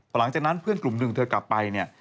หลังจากนั้นเพื่อนกลุ่มหนึ่งเธอกลับไปเนี่ย